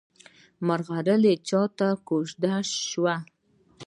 ملغلره چاته کوژدن شوه؟